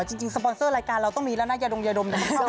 จริงสปอนเซอร์รายการเราต้องมีละน่ายาดมยาดม